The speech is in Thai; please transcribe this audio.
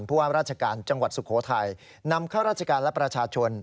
ว่าราชการจังหวัดสุโขทัยนำข้าราชการและประชาชน